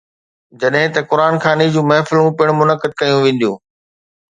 جڏهن ته قرآن خواني جون محفلون پڻ منعقد ڪيون وينديون.